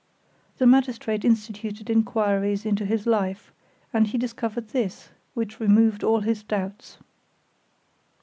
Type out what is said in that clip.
The magistrate instituted inquiries into his life, and he discovered this, which removed all his doubts.